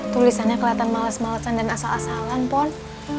tulisannya kelihatan males malesan dan asal asalan pon